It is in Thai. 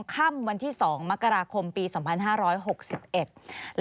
สวัสดีครับทุกคน